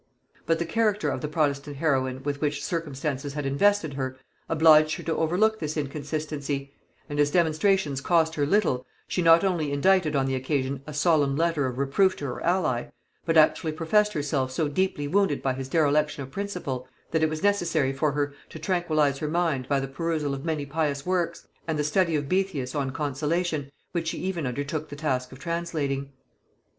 But the character of the protestant heroine with which circumstances had invested her, obliged her to overlook this inconsistency; and as demonstrations cost her little, she not only indicted on the occasion a solemn letter of reproof to her ally, but actually professed herself so deeply wounded by his dereliction of principle, that it was necessary for her to tranquillize her mind by the perusal of many pious works, and the study of Boethius on consolation, which she even undertook the task of translating.